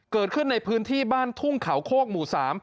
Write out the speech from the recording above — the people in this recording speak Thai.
เกิดขึ้นในพื้นที่บ้านทุ่งเขาโคกหมู่๓